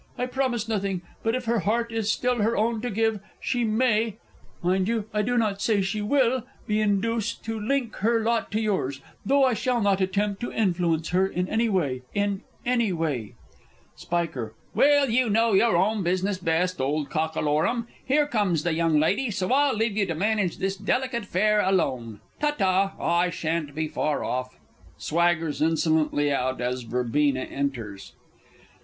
I promise nothing; but if her heart is still her own to give, she may, (mind, I do not say she will,) be induced to link her lot to yours, though I shall not attempt to influence her in any way in any way. Sp. Well, you know your own business best, old Cockalorum. Here comes the young lady, so I'll leave you to manage this delicate affair alone. Ta ta. I shan't be far off. [Swaggers insolently out as VERB. _enters.